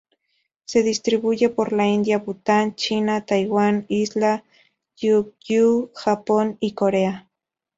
Se distribuye por la India, Bután, China, Taiwán, Islas Ryukyu, Japón y Corea.